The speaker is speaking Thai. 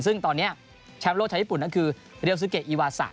ซึ่งตอนนี้แชมป์โลกชาวญี่ปุ่นก็คือเรียลซูเกะอีวาสะ